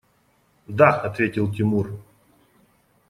– Да, – ответил Тимур.